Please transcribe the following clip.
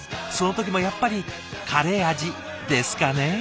その時もやっぱりカレー味ですかね。